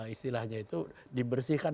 istilahnya itu dibersihkan